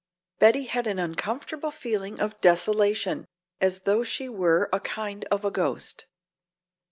Betty had an uncomfortable feeling of desolation, as though she were a kind of a ghost.